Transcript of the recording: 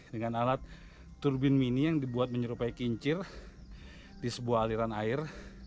dengan alat turbin mini yang dibuat menyerupai kincir di sebuah aliran air